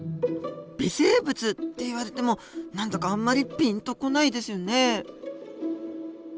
微生物って言われても何だかあんまりピンと来ないですよねえ。